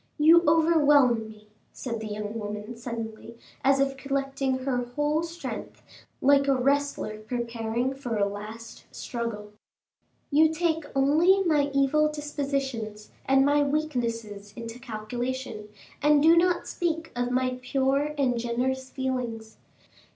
"You overwhelm me," said the young woman suddenly, as if collecting her whole strength, like a wrestler preparing for a last struggle; "you take only my evil dispositions and my weaknesses into calculation, and do not speak of my pure and generous feelings.